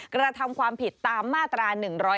กระทำความผิดตามมาตรา๑๕